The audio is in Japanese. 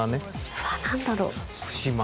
うわなんだろう？